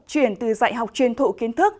chuyển từ dạy học chuyên thụ kiến thức